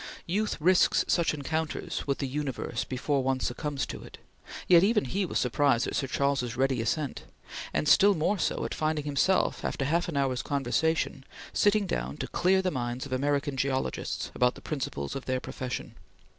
Youth risks such encounters with the universe before one succumbs to it, yet even he was surprised at Sir Charles's ready assent, and still more so at finding himself, after half an hour's conversation, sitting down to clear the minds of American geologists about the principles of their profession.